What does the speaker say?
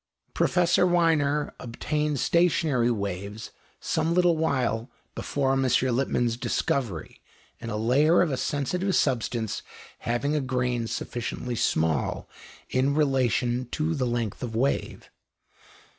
Professor Wiener obtained stationary waves some little while before M. Lippmann's discovery, in a layer of a sensitive substance having a grain sufficiently small in relation to the length of wave.